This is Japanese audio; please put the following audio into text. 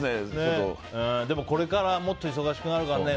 でも、これからもっと忙しくなるからね。